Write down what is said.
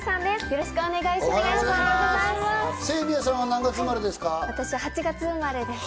よろしくお願いします。